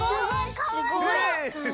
かわいい！